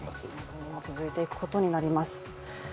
今後も続いていくことになります。